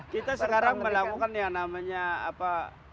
kita sekarang melakukan yang namanya apa